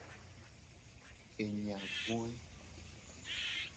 Enya voe.